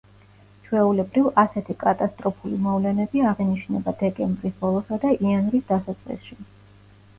ჩვეულებრივ, ასეთი კატასტროფული მოვლენები აღინიშნება დეკემბრის ბოლოსა და იანვრის დასაწყისში.